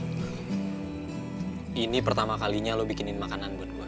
hai ini pertama kalinya lu bikinin makanan buat gua